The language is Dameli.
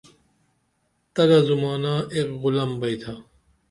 تگہ زمانہ ایک غُلم بیئتھا